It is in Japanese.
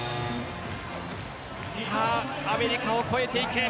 アメリカを超えていけ。